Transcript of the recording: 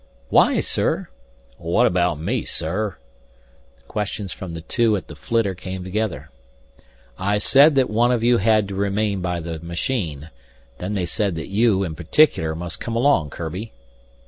"Why, sir?" "What about me, sir?" The questions from the two at the flitter came together. "I said that one of you had to remain by the machine. Then they said that you, in particular, must come along, Kurbi."